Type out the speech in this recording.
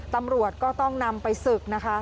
ตำรวจก็ต้องนำไปศึกนะคะ